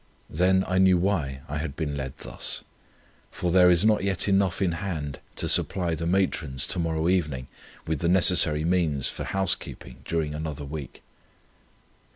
Then I knew why I had been led thus; for there is not yet enough in hand, to supply the matrons to morrow evening with the necessary means for house keeping during another week.